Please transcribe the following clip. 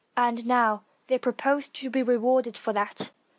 And now they proposed to be rewarded for that.